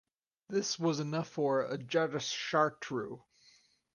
This was enough for Ajatashatru.